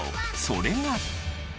それが。